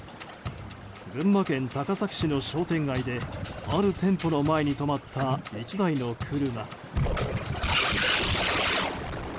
群馬県高崎市の商店街である店舗の前に止まった１台の車。